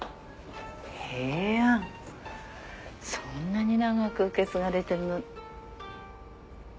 そんなに長く受け継がれてるの。